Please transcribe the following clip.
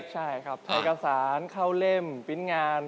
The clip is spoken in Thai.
ใช่ครับใช้กษานเข้าเล่มปิ้นงาน